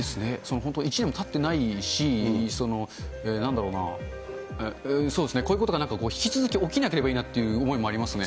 本当、１年もたってないし、なんだろうな、そうですね、こういうことがなんか引き続き起きなければいいなっていう思いもありますね。